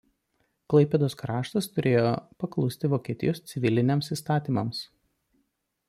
Klaipėdos kraštas turėjo paklusti Vokietijos civiliniams įstatymams.